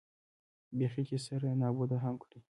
بېخي چې سره نابود هم کړي.